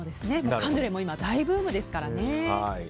カヌレも今、大ブームですからね。